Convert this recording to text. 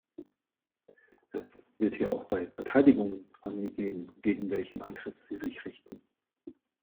Es wird hier auch bei Verteidigungen angegeben, gegen welchen Angriff sie sich richten.